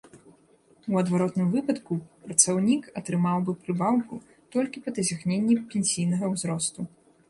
У адваротным выпадку працаўнік атрымаў бы прыбаўку толькі па дасягненні пенсійнага ўзросту.